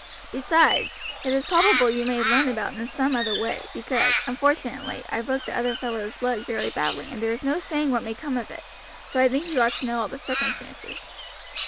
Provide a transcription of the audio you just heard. Besides, it is probable you may learn about it in some other way; because, unfortunately, I broke the other fellow's leg very badly, and there is no saying what may come of it, so I think you ought to know all the circumstances."